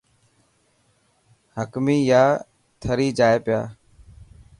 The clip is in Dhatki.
حڪي يا ٿري جائي پيا.